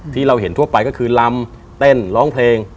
ที่เราเห็นทั่วไปก็คือลำเต้นร้องเพลง